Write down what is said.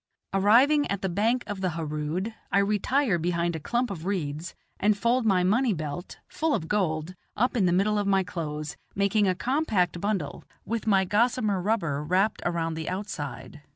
Arriving at the bank of the Harood, I retire behind a clump of reeds, and fold my money belt, full of gold, up in the middle of my clothes, making a compact bundle, with my gossamer rubber wrapped around the outside.